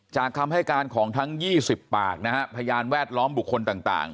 คำให้การของทั้ง๒๐ปากนะฮะพยานแวดล้อมบุคคลต่าง